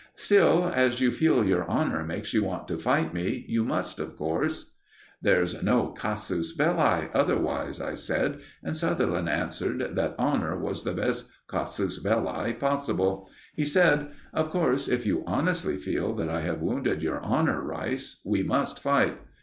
Still, as you feel your honour makes you want to fight me, you must, of course." "There's no casus belli otherwise," I said, and Sutherland answered that honour was the best casus belli possible. He said: "Of course, if you honestly feel that I have wounded your honour, Rice, we must fight."